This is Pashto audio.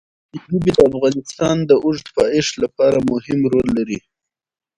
ژبې د افغانستان د اوږدمهاله پایښت لپاره مهم رول لري.